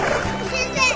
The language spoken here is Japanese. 先生